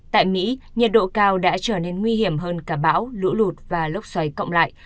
tại mỹ nhiệt độ cao đã trở nên nguy hiểm hơn cả bão lũ lụt và lốc xoáy cộng lại